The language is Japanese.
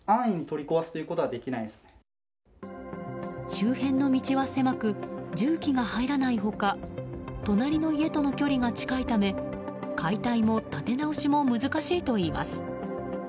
周辺の道は狭く重機が入らない他隣の家との距離が近いため解体も建て直しも難しいといいます。